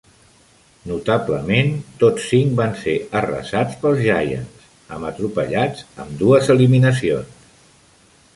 Notablement, tots cinc van ser arrasats pels Giants amb atropellats amb dues eliminacions.